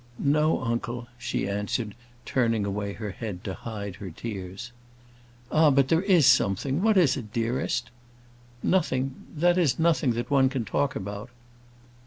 "No, uncle," she answered, turning away her head to hide her tears. "Ah, but there is something; what is it, dearest?" "Nothing that is, nothing that one can talk about."